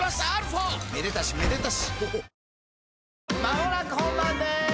間もなく本番です！